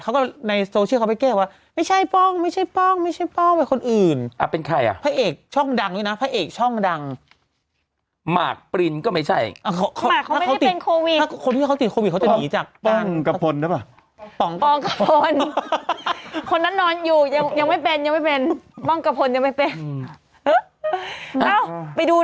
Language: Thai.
คนนั้นนอนอยู่ยังไม่เป็นยังไม่เป็นม่องกระพลยังไม่เป็นไปดู